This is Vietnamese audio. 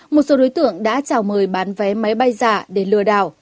một số đối tượng đã chào mời bán vé máy bay giả để lừa đảo